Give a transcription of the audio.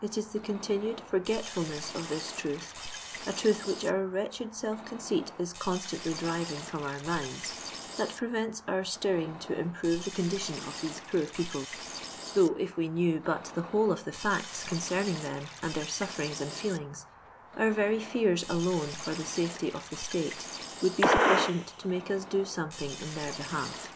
It is the continued for getfulness of this truth — a truth which our wretched self conceit is constantly driving from our minds — ^that prevents our stirring to improve the condition of these poor people ; though, if we LONDON LABOUR AND THE LONDON POOR. knew \mi the whole of the facta concerning them, and their infftfringi and feelings, our very feara alone for the aafety of the atate would be sufficient to make us do soniething in their behalf.